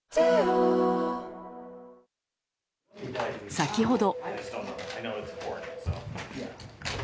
先ほど。